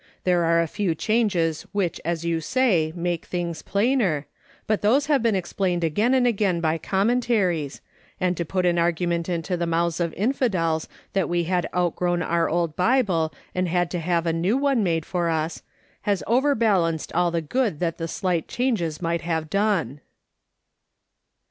There are a few changes, which, as you say, make things plainer, but those have been explained again and again by commentaries ; and to put an argument into the mouths of infidels that we had outgrown our old Bible and had to have a new one made for us, has overbalanced all the good that the slight changes might have done."'